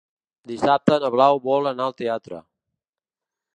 Dissabte na Blau vol anar al teatre.